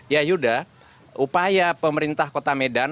ya yuda upaya pemerintah kota medan